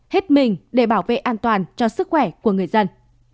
hết mình để bảo vệ an toàn cho sức khỏe của người dân